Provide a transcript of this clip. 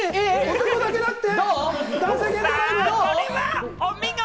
男だけだって！